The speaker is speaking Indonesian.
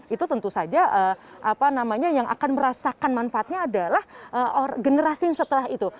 itu tentu saja apa namanya yang akan merasakan manfaatnya adalah generasi yang setelah itu